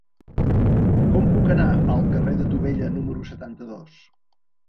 Com puc anar al carrer de Tubella número setanta-dos?